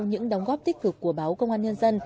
những đóng góp tích cực của báo công an nhân dân